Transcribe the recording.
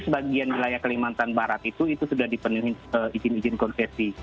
sebagian wilayah kalimantan barat itu sudah dipenuhi izin izin konsesi